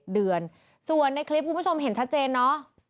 เดือนส่วนในคลิปคุณผู้ชมเห็นชัดเจนเนอะ